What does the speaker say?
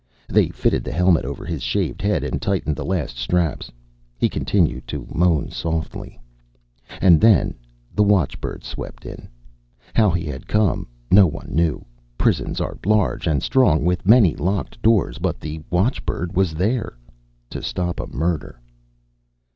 They fitted the helmet over his shaved head and tightened the last straps. He continued to moan softly. And then the watchbird swept in. How he had come, no one knew. Prisons are large and strong, with many locked doors, but the watchbird was there To stop a murder.